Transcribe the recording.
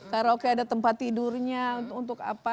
karaoke ada tempat tidurnya untuk apa